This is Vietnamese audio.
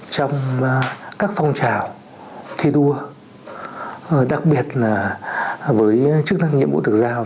trong các phong trào thi đua đặc biệt là với chức năng nhiệm vụ được giao